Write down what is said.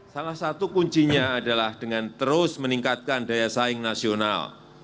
salah satu kuncinya adalah dengan terus meningkatkan daya saing nasional